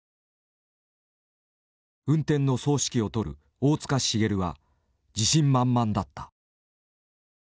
運転の総指揮を執る大塚滋は自信満々だった。